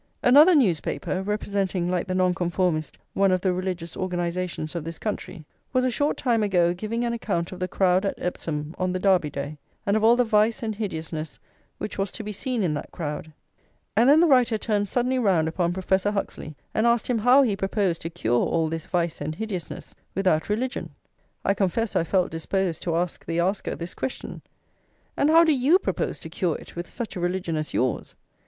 Another newspaper, representing, like the Nonconformist, one of the religious organisations of this country, was a short time ago giving an account of the crowd at Epsom on the Derby day, and of all the vice and hideousness which was to be seen in that crowd; and then the writer turned suddenly round upon Professor Huxley, and asked him how he proposed to cure all this vice and hideousness without religion. I confess I felt disposed to ask the asker this question: And how do you propose to cure it with such a religion as yours?